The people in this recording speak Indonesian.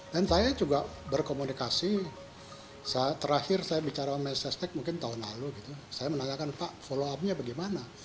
dan saya juga berkomunikasi terakhir saya bicara sama sstec mungkin tahun lalu saya menanyakan pak follow up nya bagaimana